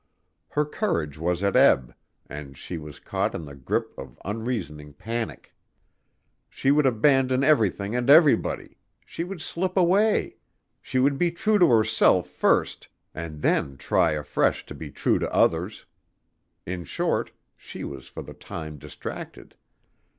Her courage was at ebb and she was caught in the grip of unreasoning panic. She would abandon everything and everybody ... she would slip away ... she would be true to herself first and then try afresh to be true to others. In short she was for the time distracted.